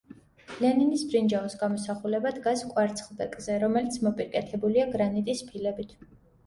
ლენინის ბრინჯაოს გამოსახულება დგას კვარცხლბეკზე, რომელიც მოპირკეთებულია გრანიტის ფილებით.